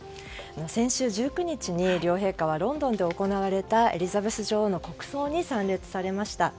先週１９日に両陛下はロンドンで行われたエリザベス女王の国葬に参列されました。